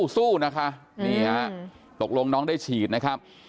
สู้นะคะนี่ฮะตกลงน้องได้ฉีดนะครับ